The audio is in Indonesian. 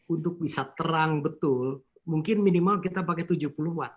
untuk bisa terang betul mungkin minimal kita pakai tujuh puluh watt